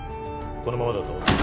このままだと。